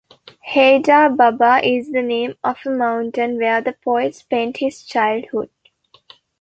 Heydar Baba is the name of a mountain where the poet spent his childhood.